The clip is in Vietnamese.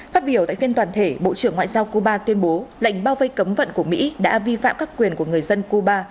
phát biểu tại phiên toàn thể bộ trưởng ngoại giao cuba tuyên bố lệnh bao vây cấm vận của mỹ đã vi phạm các quyền của người dân cuba